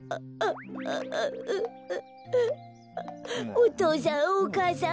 お父さんお母さん